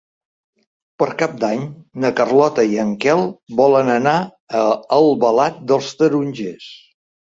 Per Cap d'Any na Carlota i en Quel volen anar a Albalat dels Tarongers.